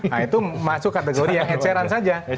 nah itu masuk kategori yang eceran saja